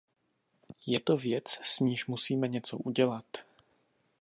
Je to věc, s níž musíme něco udělat.